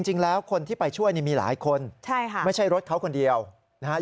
จริงแล้วคนที่ไปช่วยนี่มีหลายคนไม่ใช่รถเขาคนเดียวนะฮะ